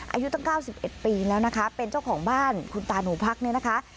อายุตั้ง๙๑ปีแล้วนะคะเป็นเจ้าของบ้านคุณตาหนูพักเนี่ยนะคะ